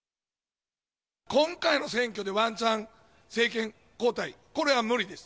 今回の選挙でワンチャン政権交代、これは無理です。